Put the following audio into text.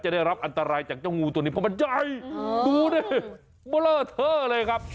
ได้รับอันตรายจากเจ้างูตัวนี้เพราะมันใหญ่ดูดิเบอร์เลอร์เทอร์เลยครับ